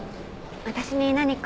私に何か？